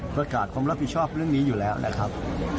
ประกาศความรับผิดชอบเรื่องนี้อยู่แล้วนะครับ